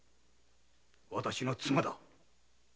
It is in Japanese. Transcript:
私の妻だ！